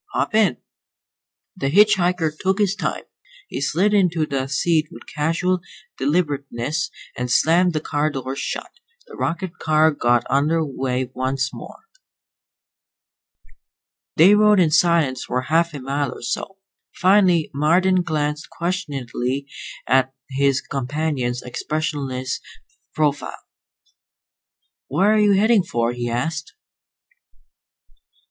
Hop in." The hitch hiker took his time. He slid into the seat with casual deliberateness and slammed the car door shut. The rocket car got under way once more. They rode in silence for half a mile or so. Finally Marden glanced questioningly at his companion's expressionless profile. "Where are you headed for?" he asked.